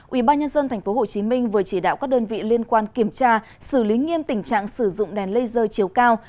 ubnd tp hcm vừa chỉ đạo các đơn vị liên quan kiểm tra xử lý nghiêm tình trạng sử dụng đèn laser chiếu cao